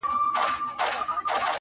یار اوسېږمه په ښار نا پرسان کي